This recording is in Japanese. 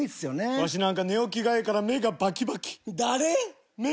ワシなんか寝起きがええから目がバキバキ誰ぇ！